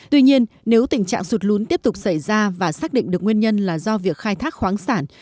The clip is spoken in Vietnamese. tuy nhiên nếu tình trạng sụt lún tiếp tục xảy ra và xác định được nguyên nhân là do việc khai thác khoáng sản